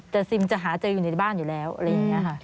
แต่ซิมจะหาเจออยู่ในบ้านอยู่แล้วอะไรอย่างนี้ค่ะ